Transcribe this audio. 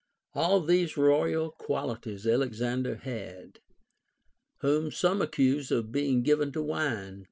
All these royal qualities Alexander had, Avhom some accuse of being given to wine.